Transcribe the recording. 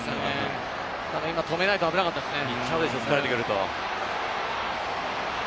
今、止めないと危なかったですよね。